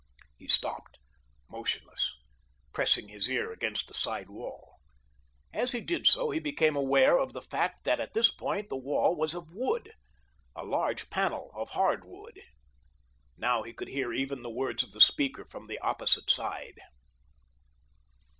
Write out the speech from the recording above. He stopped, motionless, pressing his ear against the side wall. As he did so he became aware of the fact that at this point the wall was of wood—a large panel of hardwood. Now he could hear even the words of the speaker upon the opposite side.